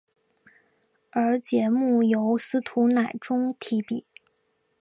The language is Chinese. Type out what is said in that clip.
而节目由司徒乃钟题笔。